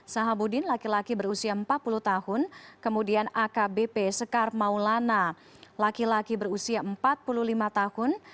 sahabudin laki laki berusia empat puluh tahun kemudian akbp sekar maulana laki laki berusia empat puluh lima tahun